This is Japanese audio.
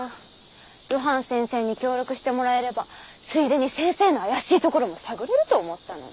露伴先生に協力してもらえればついでに先生の怪しいところも探れると思ったのに。